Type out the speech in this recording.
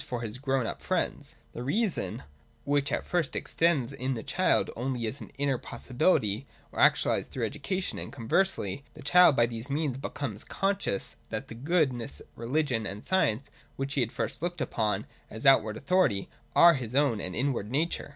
for his grown up friends. The reason, which at first exists in the child only as an inner possibility, is actualised through education : and conversely, the child by these means becomes conscious that the good ness, religion, and science which he had at first looked upon I40.J INWARD AND OUTWARD. 255 as an outward authority, are his own and inward nature.